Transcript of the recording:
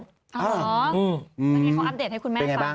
อ๋อเห็นไหมเขาอัปเดตให้คุณแม่ฟัง